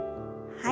はい。